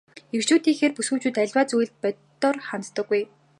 Эрчүүдийнхээр бүсгүйчүүд аливаа зүйлд бодитоор ханддаггүй.